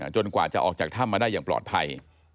กว่าจะออกจากถ้ำมาได้อย่างปลอดภัย